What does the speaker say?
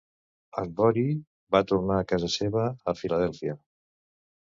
En Borie va tornar a casa seva a Filadèlfia.